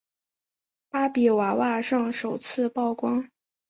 芭比娃娃上首次曝光。